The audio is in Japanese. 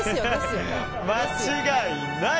間違いない！